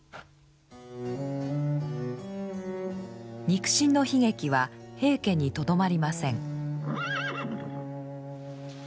肉親の悲劇は平家にとどまりません。